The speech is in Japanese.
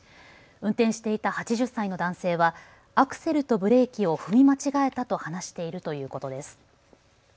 運転していた８０歳の男性はアクセルとブレーキを踏み間違えたと話しているということです。